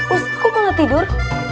ustaz aku malah tidur